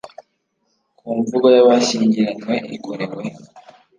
ku mvugo y abashyingiranywe ikorewe